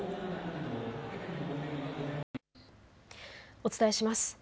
お伝えします。